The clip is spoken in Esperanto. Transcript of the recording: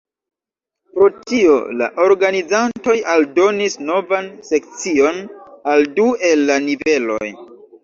Pro tio, la organizantoj aldonis novan sekcion al du el la niveloj.